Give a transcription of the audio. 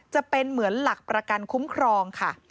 จะเป็นเหมือนหลักประกันคุ้มครองค่ะ